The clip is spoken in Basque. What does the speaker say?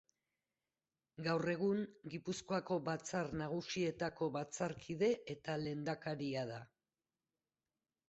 Gaur egun, Gipuzkoako Batzar Nagusietako batzarkide eta lehendakaria da.